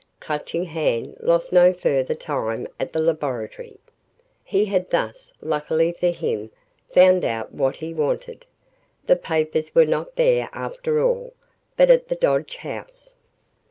Clutching Hand lost no further time at the laboratory. He had thus, luckily for him, found out what he wanted. The papers were not there after all, but at the Dodge house.